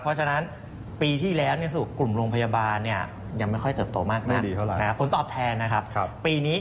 เพราะฉะนั้นปีที่แล้วกลุ่มโรงพยาบาล